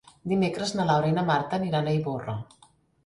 Dimecres na Laura i na Marta aniran a Ivorra.